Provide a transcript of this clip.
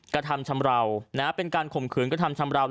กระทำชำราวเป็นการข่มขืนกระทำชำราว